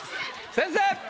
先生！